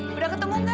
wi udah ketemu nggak